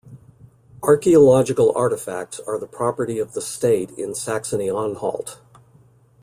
Archaeological artifacts are the property of the state in Saxony-Anhalt.